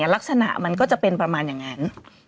ลักษณะมันก็จะเป็นประมาณอย่างนั้น